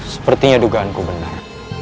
sepertinya dugaanku benar